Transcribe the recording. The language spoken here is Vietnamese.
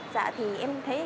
dạ thì em thấy